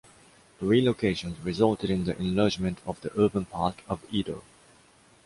The relocations resulted in the enlargement of the urban part of Edo.